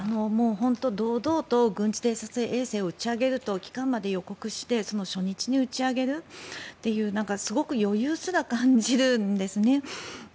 本当、堂々と軍事偵察衛星を打ち上げると期間まで予告してその初日に打ち上げるというすごく余裕すら感じるんですね。